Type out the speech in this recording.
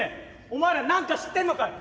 お前ら何か知ってんのかよ？」。